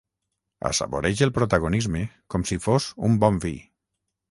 Assaboreix el protagonisme com si fos un bon vi.